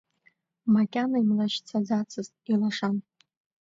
Макьана имлашьцаӡацызт, илашан.